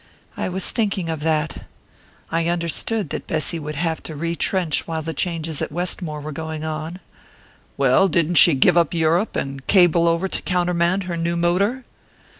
"I was thinking of that. I understood that Bessy would have to retrench while the changes at Westmore were going on." "Well didn't she give up Europe, and cable over to countermand her new motor?"